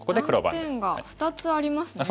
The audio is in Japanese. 断点が２つありますね。